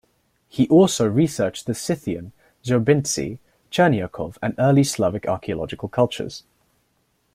He also researched the Scythian, Zarubintsy, Chernyakhov and early Slavic archaeological cultures.